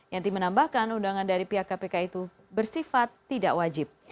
yanti menambahkan undangan dari pihak kpk itu bersifat tidak wajib